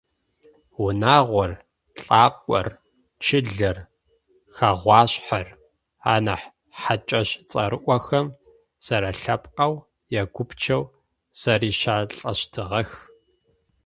Унагъор, лӏакъор, чылэр, хэгъуашъхьэр, анахь хьакӏэщ цӏэрыӏохэм – зэрэлъэпкъэу ягупчэу зэрищалӏэщтыгъэх.